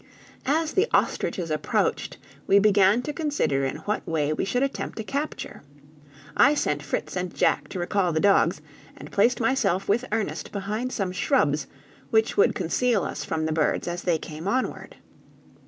As the ostriches approached, we began to consider in what way we should attempt a capture. I sent Fritz and Jack to recall the dogs, and placed myself with Ernest behind some shrubs which would conceal us from the birds as they came onward.